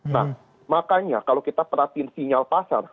nah makanya kalau kita perhatiin sinyal pasar